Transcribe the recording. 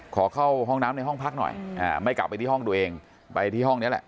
ขอเข้าห้องน้ำในห้องพักหน่อยไม่กลับไปที่ห้องตัวเองไปที่ห้องนี้แหละ